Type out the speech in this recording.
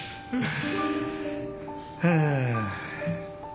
はあ。